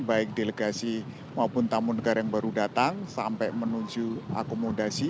baik delegasi maupun tamu negara yang baru datang sampai menuju akomodasi